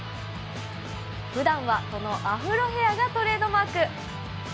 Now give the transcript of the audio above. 普段はこのアフロヘアがトレードマーク。